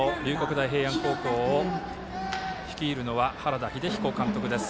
大平安高校を率いるのは原田英彦監督です。